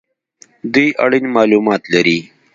دوی اړین مالومات لري